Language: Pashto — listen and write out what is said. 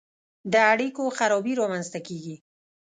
د اړیکو خرابي رامنځته کیږي.